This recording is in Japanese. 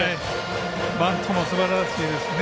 バントもすばらしいですね。